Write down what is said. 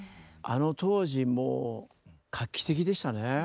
あの当時もう画期的でしたねえ。